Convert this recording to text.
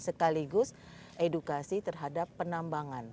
sekaligus edukasi terhadap penambangan